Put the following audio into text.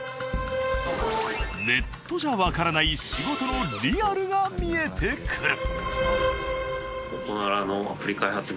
ネットじゃわからない仕事のリアルが見えてくる。